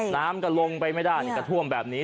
น้ำก็ลงไปไม่ได้กระท่วมแบบนี้